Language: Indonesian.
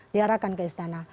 diarahkan ke istana